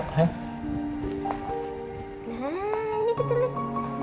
nah ini ditulis